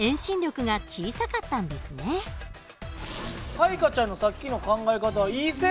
彩加ちゃんのさっきの考え方はいい線までは。